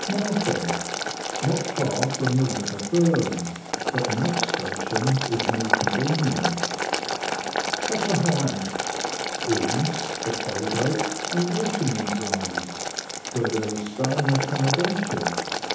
MARTHAM. Not far from the river Thurne, but the next station is more convenient. POTTER HEIGHAM. Inns, the "Falgate" and "Waterman's Arms," where there is staying accommodation.